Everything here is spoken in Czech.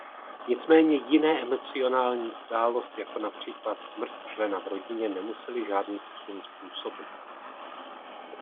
Nicméně jiné emocionální událost jako například smrt člena v rodině nemusely žádný posun způsobit.